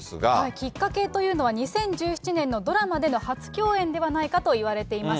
きっかけというのは、２０１７年のドラマでの初共演ではないかといわれています。